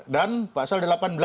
dan pasal delapan belas